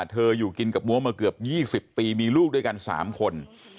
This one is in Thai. อยู่กินกับมัวมาเกือบ๒๐ปีมีลูกด้วยกัน๓คน